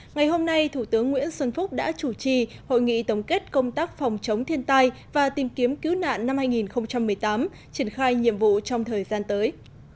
ngày hôm nay thủ tướng nguyễn xuân phúc đã chủ trì hội nghị tổng kết công tác phòng chống thiên tai và tìm kiếm cứu nạn năm hai nghìn một mươi tám triển khai nhiệm vụ trong thời gian tới